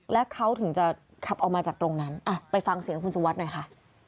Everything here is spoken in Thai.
และเขาถึงจะขับออกมาจากตรงนั้นไปฟังเสียงคุณสุวัสดิ์หน่อยค่ะ